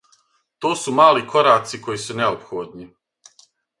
То су мали кораци који су неопходни.